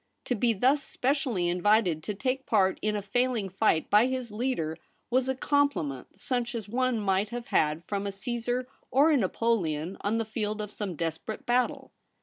To be thus specially invited to take part in a failing fight by his leader was a compliment such as one might have had from a Csesar or a Napoleon on the field of some desperate battle.